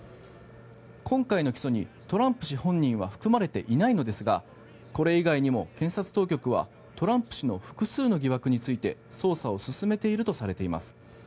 今回の起訴にトランプ氏本人は含まれていないのですがこれ以外にも検察当局はトランプ氏の複数の疑惑について捜査を進めているとされています。